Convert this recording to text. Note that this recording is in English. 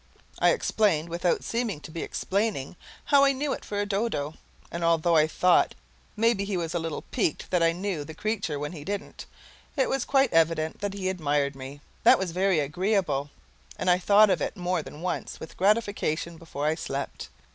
I explained without seeming to be explaining how I know it for a dodo, and although I thought maybe he was a little piqued that I knew the creature when he didn't, it was quite evident that he admired me. That was very agreeable, and I thought of it more than once with gratification before I slept.